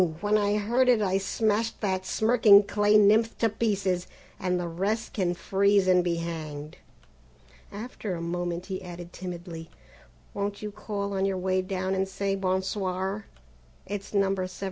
When I heard it I smashed that smirking clay nymph to pieces, and the rest can freeze and be hanged!" After a moment he added timidly: "Won't you call on your way down and say bon soir? It's No. 17."